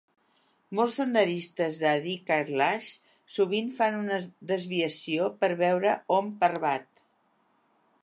Molts senderistes a Adi Kailash sovint fan una desviació per veure Om Parvat.